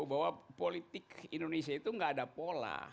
bahwa politik indonesia itu nggak ada pola